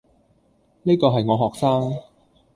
呢個係我學生